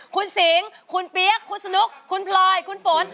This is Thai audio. คุณสิงคุณเปี๊ยกคุณสนุกคุณพลอยคุณฝน